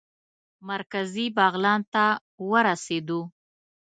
مرکزي بغلان ته ورسېدو.